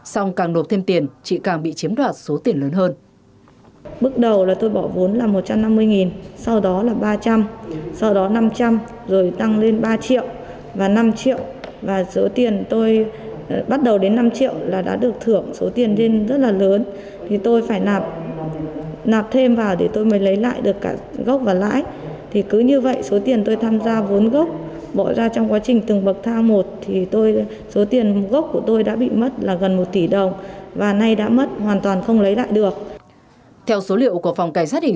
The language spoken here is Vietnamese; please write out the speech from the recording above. xong càng đột thêm tiền chị càng bị chiếm đoạt số tiền lớn hơn